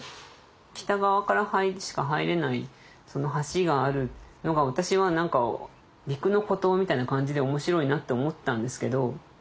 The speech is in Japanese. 北側からしか入れないその橋があるのが私は何か陸の孤島みたいな感じで面白いなって思ったんですけど。